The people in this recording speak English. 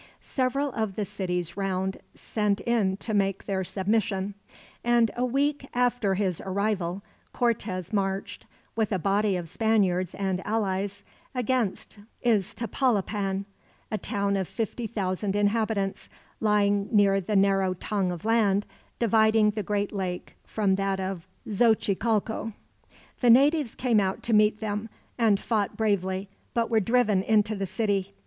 Several of the cities round sent in to make their submission; and a week after his arrival Cortez marched, with a body of Spaniards and allies, against Iztapalapan, a town of fifty thousand inhabitants, lying near the narrow tongue of land dividing the great lake from that of Xochicalco. The natives came out to meet them, and fought bravely, but were driven into the city.